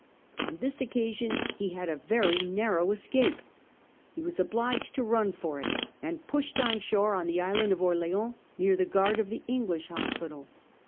Qn this occasion he h«ad a very narrow escape. He ' was obliged to run for it, and pushed on shore on the island of Orleans, near the guard of the English hospital.